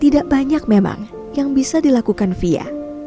tidak banyak memang yang bisa dilakukan fia